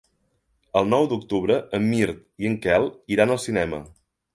El nou d'octubre en Mirt i en Quel iran al cinema.